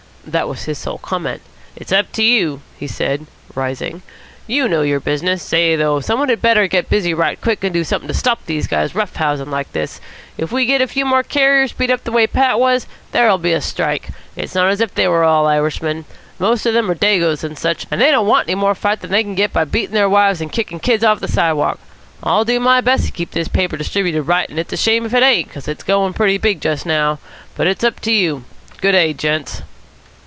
That was his sole comment. "It's up to you," he said, rising. "You know your business. Say, though, some one had better get busy right quick and do something to stop these guys rough housing like this. If we get a few more carriers beat up the way Pat was, there'll be a strike. It's not as if they were all Irishmen. The most of them are Dagoes and such, and they don't want any more fight than they can get by beating their wives and kicking kids off the sidewalk. I'll do my best to get this paper distributed right and it's a shame if it ain't, because it's going big just now but it's up to you. Good day, gents."